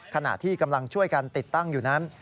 ขณะที่กำลังช่วยกันติดตั้งอยู่นั้น